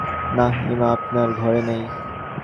না, ইমা আপনার ঘরে নেই।